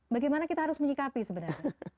bagaimana kita harus menyikapi sebenarnya